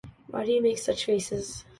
Why do you make such faces?